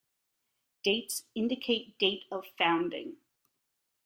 Dates indicate date of founding.